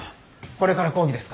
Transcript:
これから講義ですか？